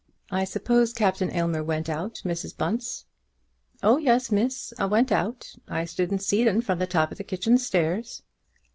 "I suppose Captain Aylmer went out, Mrs. Bunce?" "Oh yes, miss, a went out. I stood and see'd un from the top of the kitchen stairs."